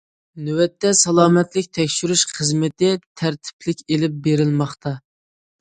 نۆۋەتتە سالامەتلىك تەكشۈرۈش خىزمىتى تەرتىپلىك ئېلىپ بېرىلماقتا.